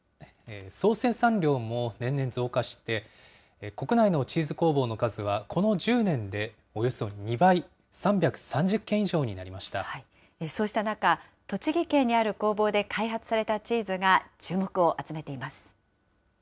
総生産量も年々増加して、国内のチーズ工房の数は、この１０年でおよそ２倍、そうした中、栃木県にある工房で開発されたチーズが注目を集めています。